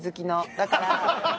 だから。